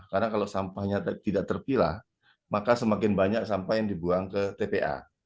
karena kalau sampahnya tidak terpilah maka semakin banyak sampah yang dibuang ke tpa